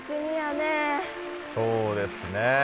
そうですね。